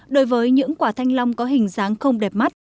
đối với những quả thanh long có hình dáng không đẹp mắt